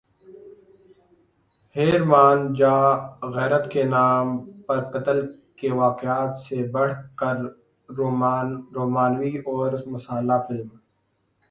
ہیر مان جا غیرت کے نام پر قتل کے واقعات سے بڑھ کر رومانوی اور مصالحہ فلم